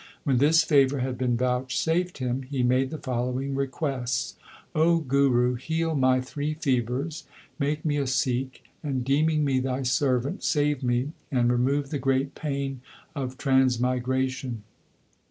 When this favour had been vouchsafed him, he made the following requests : l O Guru, heal my three fevers, make me a Sikh, and, deeming me thy servant, save me and remove the great pain of transmigration.